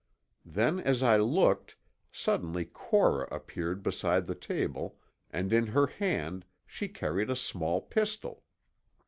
Then as I looked, suddenly Cora appeared beside the table and in her hand she carried a small pistol.